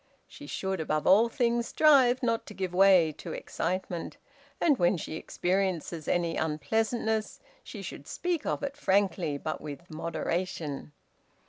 She should, above all things, strive not to give way to excitement; and when she experiences any unpleasantness, she should speak of it frankly but with moderation.